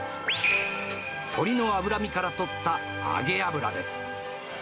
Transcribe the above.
鶏の脂身から取った揚げ油です。